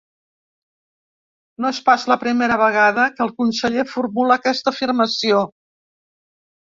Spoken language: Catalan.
No és pas la primera vegada que el conseller formula aquesta afirmació.